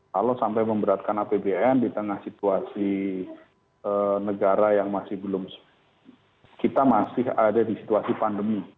kalau sampai memberatkan apbn di tengah situasi negara yang masih belum kita masih ada di situasi pandemi